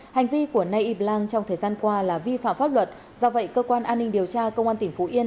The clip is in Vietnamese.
hành vi của nay yi blan trong thời gian qua là vi phạm pháp luật do vậy cơ quan an ninh điều tra công an tỉnh phú yên